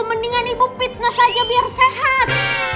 mendingan ibu fitnah saja biar sehat